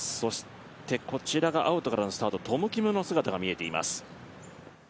こちらがアウトからのスタートトム・キムの姿が見えています。